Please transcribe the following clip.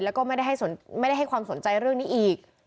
แล้วก็ไม่ได้ให้ความสนใจเรื่องนี้อีก